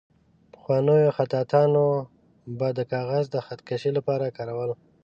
پخوانیو خطاطانو به د کاغذ د خط کشۍ لپاره کاروله.